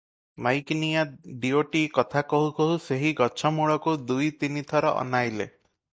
ମାଈକିନିଆ ଦିଓଟି କଥା କହୁ କହୁ ସେହି ଗଛ ମୂଳକୁ ଦୁଇ ତିନି ଥର ଅନାଇଲେ ।